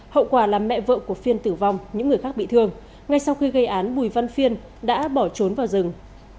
hậu quả làm mẹ vợ của phiên tử vong những người khác bị thương ngay sau khi gây án bùi văn phiên đã bỏ trốn vào rừng